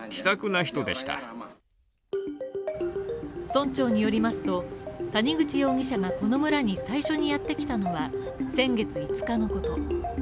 村長によりますと、谷口容疑者がこの村に最初にやってきたのは先月５日のこと。